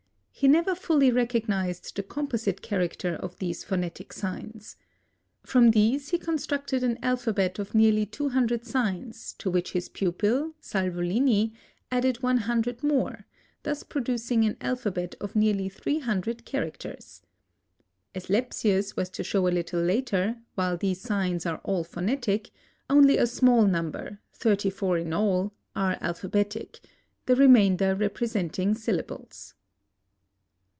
He never fully recognized the composite character of these phonetic signs. From these he constructed an alphabet of nearly two hundred signs, to which his pupil, Salvolini, added one hundred more, thus producing an alphabet of nearly three hundred characters. As Lepsius was to show a little later, while these signs are all phonetic, only a small number—thirty four in all—are alphabetic, the remainder representing syllables.